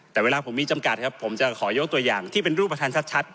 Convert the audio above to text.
แต่เวลาผมมีจำกัดครับผมจะขอยกตัวอย่างที่เป็นรูปธรรมชัด